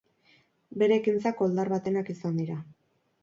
Bere ekintzak koldar batenak izan dira.